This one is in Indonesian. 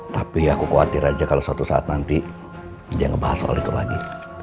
tapi aku khawatir aja kalau suatu saat nanti dia ngebahas soal itu lagi